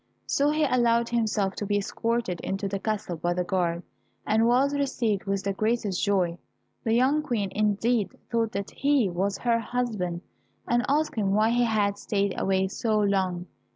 So he allowed himself to be escorted into the castle by the guard, and was received with the greatest joy. The young Queen indeed thought that he was her husband, and asked him why he had stayed away so long.